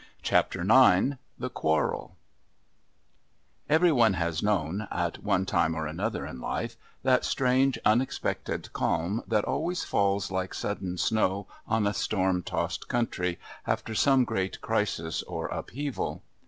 Chapter IX The Quarrel Every one has known, at one time or another in life, that strange unexpected calm that always falls like sudden snow on a storm tossed country, after some great crisis or upheaval.